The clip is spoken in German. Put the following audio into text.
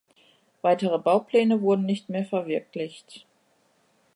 Weitere Baupläne wurden nicht mehr verwirklicht.